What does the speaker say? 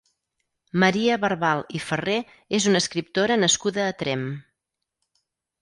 Maria Barbal i Farré és una escriptora nascuda a Tremp.